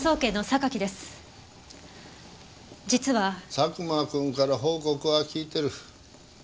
佐久間君から報告は聞いてる。